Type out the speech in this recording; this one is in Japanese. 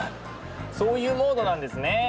そういうモードなんですね。